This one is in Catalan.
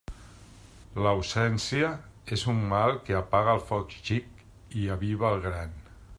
L'absència és un mal que apaga el foc xic i aviva el gran.